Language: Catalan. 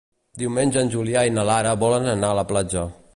Diumenge en Julià i na Lara volen anar a la platja.